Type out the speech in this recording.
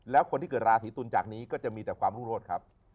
แล้วคนที่เกิดราเรียนศิรษฐนจากนี้ก็จะมีแต่ความรุ่นโลศภ์ครับ